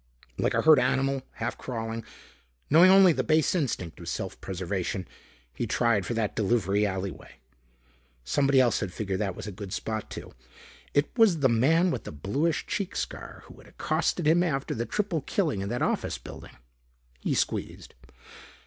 Like a hurt animal, half crawling, knowing only the base instinct of self preservation, he tried for that delivery alleyway. Somebody else had figured that was a good spot too. It was the man with the bluish cheek scar who had accosted him after the triple killing in that office building. He squeezed.